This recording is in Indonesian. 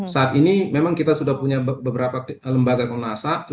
saat ini memang kita sudah punya beberapa lembaga komnasan